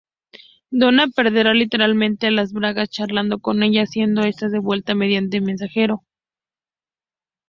Donna perderá literalmente las bragas charlando con ella, siendo estas devuelta mediante mensajero.